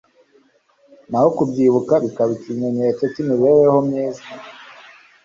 naho kubyibuha bikaba ikimenyetso cy'imibereho myiza